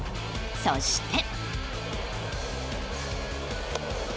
そして。